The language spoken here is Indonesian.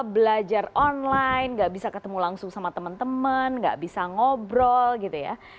belajar online gak bisa ketemu langsung sama teman teman nggak bisa ngobrol gitu ya